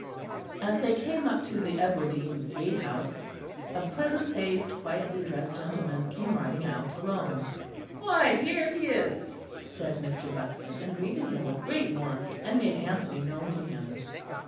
As they came up to the Edwardine Gate house, a pleasant faced, quietly dressed gentleman came riding out alone. "Why, here he is!" said Mr. Buxton, and greeted him with great warmth, and made Anthony known to him.